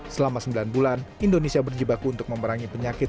selama sembilan bulan indonesia berjibaku untuk memerangi penyakit